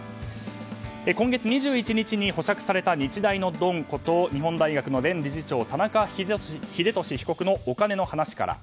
今月２１にいに保釈された日大のドンこと日本大学の前理事長田中英寿被告のお金の話から。